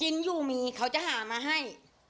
กินอยู่มีเขาจะหามาให้